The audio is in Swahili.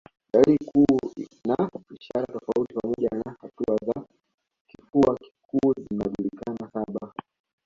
Dalili kuu na ishara tofauti pamoja na hatua za kifua kikuu zinajulikana saba